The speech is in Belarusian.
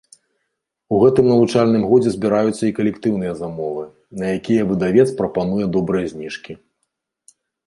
У гэтым навучальным годзе збіраюцца і калектыўныя замовы, на якія выдавец прапануе добрыя зніжкі.